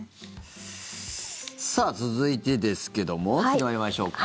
続いてですけども続いて参りましょうか。